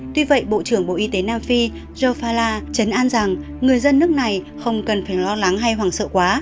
tuy vậy bộ trưởng bộ y tế nam phi jopella chấn an rằng người dân nước này không cần phải lo lắng hay hoảng sợ quá